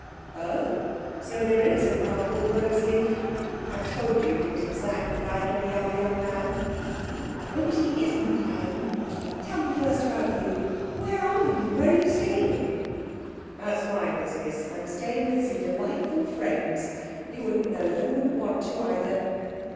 'Oh, so there is a crumpled rose leaf! I told you he was exactly like any other young man.' 'Oh, but he isn't, Anne. Tell me first about you. Where are you where are you staying?' 'That's my business. I'm staying with some delightful friends. You wouldn't know them wouldn't want to either.'